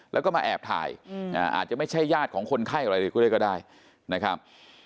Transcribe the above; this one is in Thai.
แล้วก็มาแอบถ่ายอาจจะไม่ใช่ญาติของคนไข้อะไรเลยก็ได้นะครับ